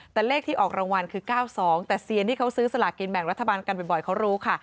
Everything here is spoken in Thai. แต่เลขที่ออกรางวัลคือ๙๒แต่เซียนที่เขาซื้อสลากินแบ่งรัฐบาลกันบ่อยเขารู้ค่ะ